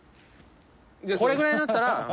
これぐらいだったら。